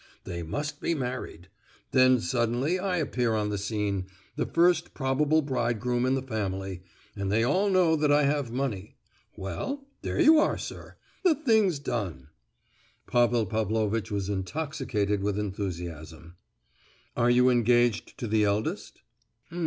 They must be married. Then suddenly I appear on the scene—the first probable bridegroom in the family, and they all know that I have money. Well, there you are, sir—the thing's done." Pavel Pavlovitch was intoxicated with enthusiasm. "Are you engaged to the eldest?"